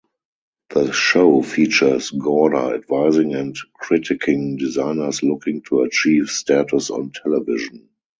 The show features Gorder advising and critiquing designers looking to achieve status on television.